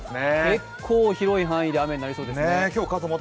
結構、広い範囲で雨になりそうですね。